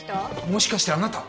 もしかしてあなた。